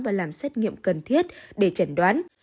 và làm xét nghiệm cần thiết để chẩn đoán